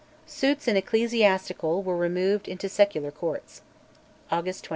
Suits in ecclesiastical were removed into secular courts (August 29).